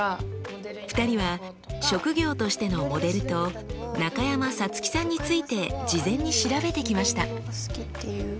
２人は職業としての「モデル」と中山咲月さんについて事前に調べてきました。